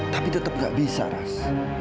tapi tetap gak bisa ras